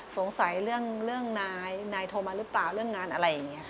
สงสัยเรื่องนายนายโทรมาหรือเปล่าเรื่องงานอะไรอย่างนี้ค่ะ